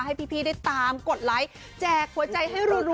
ให้พี่ได้ตามกดไลค์แจกหัวใจให้รัว